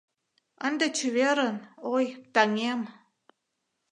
Ынде чеверын, ой, таҥем!